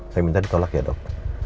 saya minta ditolak ya dok